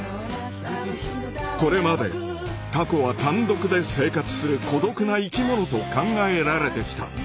これまでタコは単独で生活する孤独な生きものと考えられてきた。